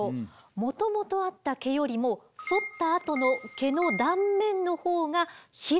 もともとあった毛よりもそったあとの毛の断面の方が広く見えませんか？